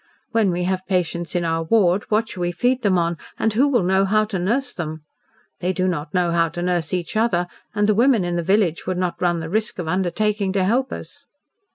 When we have patients in our ward, what shall we feed them on, and who will know how to nurse them? They do not know how to nurse each other, and the women in the village would not run the risk of undertaking to help us."